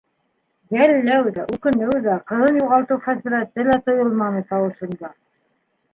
- Йәлләү ҙә, үкенеү ҙә, ҡыҙын юғалтыу хәсрәте лә тойолманы тауышында.